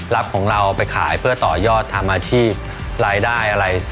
รับของเราไปขายเพื่อต่อยอดทำอาชีพรายได้อะไร